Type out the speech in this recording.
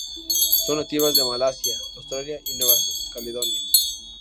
Son nativas de Malasia, Australia y Nueva Caledonia.